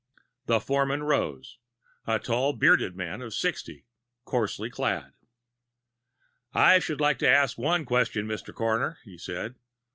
The foreman rose a tall, bearded man of sixty, coarsely clad. "I should like to ask one question, Mr. Coroner," he said.